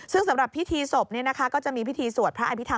ซึ่งสำหรับพิธีศพเนี่ยนะคะก็จะมีพิธีสวดพระอายพิธรรม